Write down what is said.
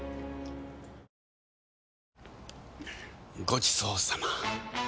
ごちそうさま！